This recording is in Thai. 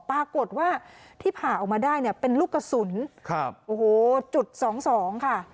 ปรากฏว่าที่ผ่าออกมาได้เนี่ยเป็นลูกกระสุนครับโอ้โหจุดสองสองค่ะ